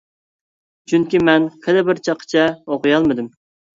چۈنكى مەن خېلى بىر چاققىچە ئوقۇيالمىدىم.